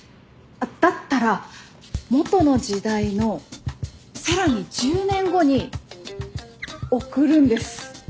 だったら元の時代の更に１０年後に送るんです。